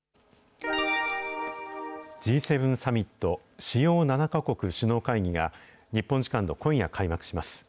Ｇ７サミット・主要７か国首脳会議が、日本時間の今夜、開幕します。